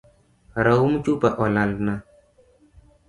Raum chupa olalna